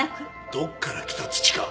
どこから来た土か